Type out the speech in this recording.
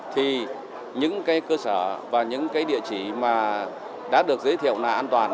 thì những cơ sở và những địa chỉ mà đã được giới thiệu là an toàn